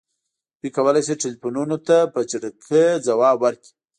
دوی کولی شي ټیلیفونونو ته په چټکۍ ځواب ورکړي